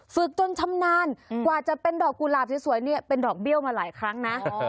ฝึกจนชำนาญกว่าจะเป็นดอกกุหลาบสวยเนี่ยเป็นดอกเบี้ยวมาหลายครั้งนะ